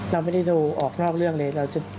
เราไม่ได้ดูออกนอกเรื่องเลย